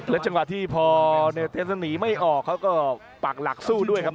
จังหวะที่พอเนเทสหนีไม่ออกเขาก็ปากหลักสู้ด้วยครับ